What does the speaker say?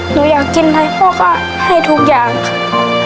หนูอยากกินให้พ่อก็ให้ทุกอย่างค่ะ